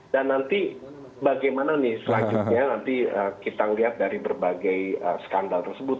dan nanti bagaimana selanjutnya nanti kita lihat dari berbagai skandal tersebut